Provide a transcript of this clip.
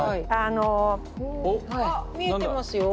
あっ見えてますよ。